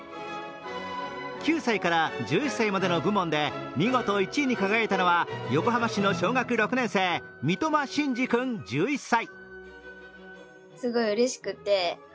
９歳から１１歳までの部門で見事１位に輝いたのは横浜市の小学６年生、三苫心嗣君１１歳。